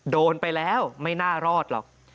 โดนไปแล้วไม่น่ารอดหรอก